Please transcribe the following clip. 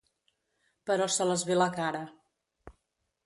Pero se les ve la cara.